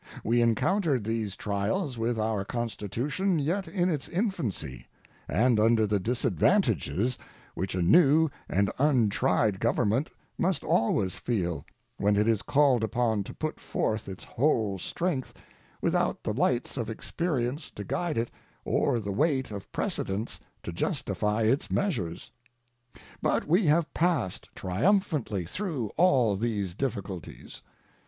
We encountered these trials with our Constitution yet in its infancy, and under the disadvantages which a new and untried government must always feel when it is called upon to put forth its whole strength without the lights of experience to guide it or the weight of precedents to justify its measures. But we have passed triumphantly through all these difficulties.